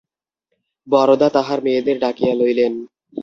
বরদা তাঁহার মেয়েদের ডাকিয়া লইলেন।